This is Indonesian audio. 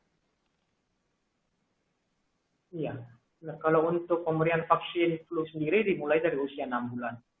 iya kalau untuk pemberian vaksin flu sendiri dimulai dari usia enam bulan